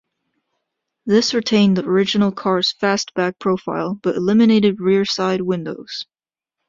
This retained the original car's fastback profile but eliminated rear side windows.